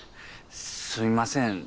すいません。